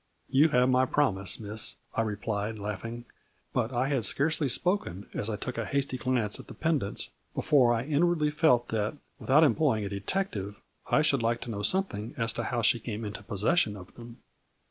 "You have my promise, Miss," I replied, laughing, but I had scarcely spoken, as I took a hasty glance at the pendants, before I inward ly felt that, without employing a detective, I should like to know something as to how she came into possession of them.